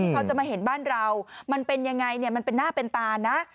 เขาจะมาเห็นบ้านเรามันเป็นยังไงมันเป็นหน้าเป็นตานะ